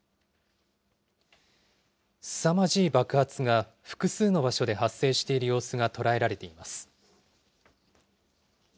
すさまじい爆発が複数の場所で発生している様子が捉えられています。